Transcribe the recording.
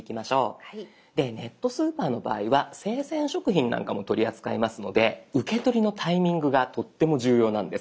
でネットスーパーの場合は生鮮食品なんかも取り扱いますので受け取りのタイミングがとっても重要なんです。